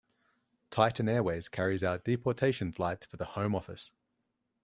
Titan Airways carries out deportation flights for the Home Office.